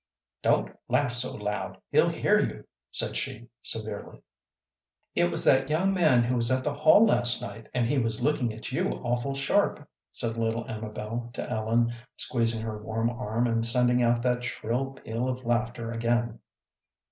"Don't laugh so loud, he'll hear you," said she, severely. "It was that young man who was at the hall last night, and he was looking at you awful sharp," said little Amabel to Ellen, squeezing her warm arm, and sending out that shrill peal of laughter again.